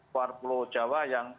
luar pulau jawa yang